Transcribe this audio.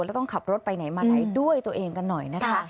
แล้วต้องขับรถไปไหนมาไหนด้วยตัวเองกันหน่อยนะคะ